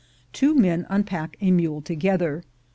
Two men unpack a mule together.